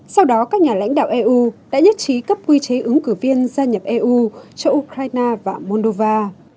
sau đó các nhà lãnh đạo eu đã nhất trí cấp quy chế ứng cử viên gia nhập eu cho ukraine và moldova